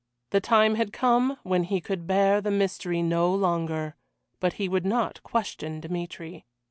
The time had come when he could bear the mystery no longer, but he would not question Dmitry.